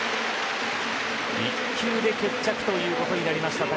１球で決着というところになりました。